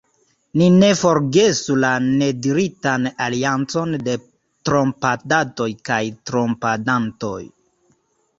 Ni ne forgesu la nediritan aliancon de trompadatoj kaj trompadantoj.